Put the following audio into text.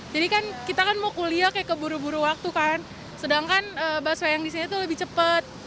jadi kan kita mau kuliah kayak keburu buru waktu kan sedangkan busway yang disini lebih cepat